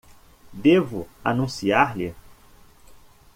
Devo anunciar-lhe?